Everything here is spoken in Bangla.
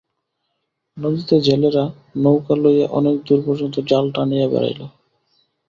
নদীতে জেলেরা নৌকা লইয়া অনেক দূর পর্যন্ত জাল টানিয়া বেড়াইল।